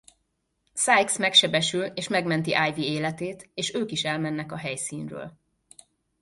Sykes megsebesül és megmenti Ivy életét és ők is elmennek a helyszínről.